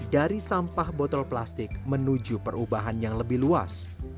dari sampah botol plastik menuju perubahan yang lebih luas